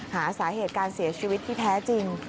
หาสาเหตุการเสียชีวิตที่แท้จริง